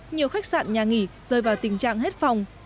nhiều khách sạn nhà nghỉ rơi vào tình trạng hết phòng